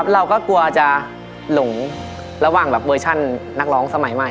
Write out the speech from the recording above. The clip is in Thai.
เราก็กลัวจะหลงระหว่างแบบเวอร์ชันนักร้องสมัยใหม่